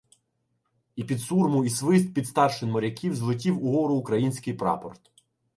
І під сурму і свист підстаршин-моряків злетів угору український прапор.